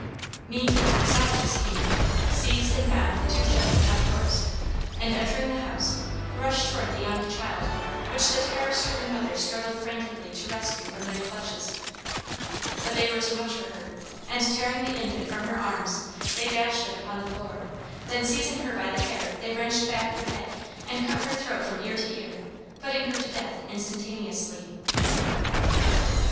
Meantime the savages came up, seized and bound the two children outdoors, and, entering the house, rushed toward the young child, which the terror stricken mother struggled frantically to rescue from their clutches; but they were too much for her, and tearing the infant from her arms, they dashed it upon the floor; then seizing her by the hair, they wrenched back her head and cut her throat from ear to ear, putting her to death instantaneously.